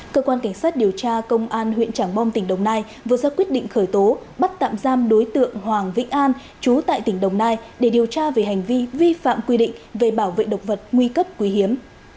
cơ quan cảnh sát điều tra công an huyện trảng bom tỉnh đồng nai vừa ra quyết định khởi tố bắt tạm giam đối tượng hoàng vĩnh an chú tại tỉnh đồng nai để điều tra về hành vi vi phạm quy định về bảo vệ động vật nguy cấp quý hiếm